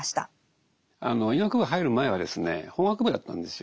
医学部入る前はですね法学部だったんですよ。